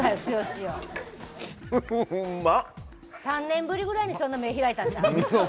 ３年ぶりぐらいにそんな目開いたんちゃう？